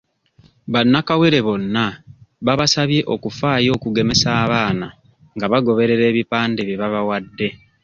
Bannakawere bonna babasabye okufaayo okugemesa abaana nga bagoberera ebipande bye babawadde.